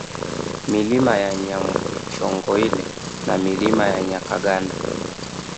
Milima ya Nyabweshongoile na Milima ya Nyakagando